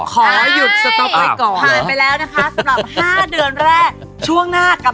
ขอยุธสตบอับ